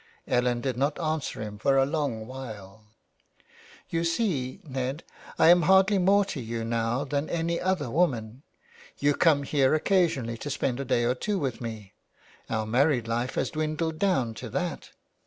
Ellen did not answer him for a long while. " You see, Ned, I am hardly more to you now than any other w^oman. You come here occasionally to spend a day or two with me. Our married life has dwindled down to that.